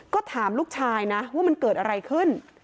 ก็ถามลูกชายนะว่ามันเกิดอะไรขึ้น